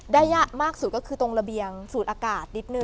ได้ยะมากสุดก็คือตรงระเบียงสุดอากาศดิทธินึง